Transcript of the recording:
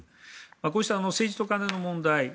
こうした政治と金の問題